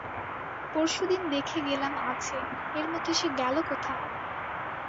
পরশু দিন দেখে গেলাম আছে, এর মধ্যে সে গেল কোথায়?